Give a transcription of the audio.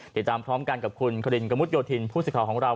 ติดตามพร้อมกันกับคุณครินกระมุดโยธินผู้สื่อข่าวของเรา